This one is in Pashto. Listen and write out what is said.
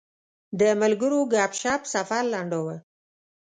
د ملګرو ګپ شپ سفر لنډاوه.